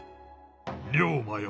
龍馬よ